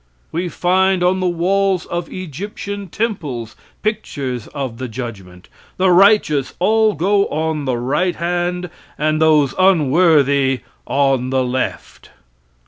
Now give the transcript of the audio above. We find on the walls of Egyptian temples pictures of the judgment; the righteous all go on the right hand, and those unworthy on the left.